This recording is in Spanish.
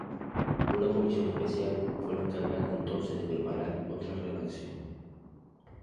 Una comisión especial fue la encargada entonces de preparar otra redacción.